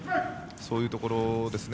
そういうところですね。